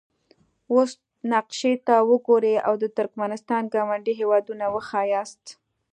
اوس نقشې ته وګورئ او د ترکمنستان ګاونډي هیوادونه وښایاست.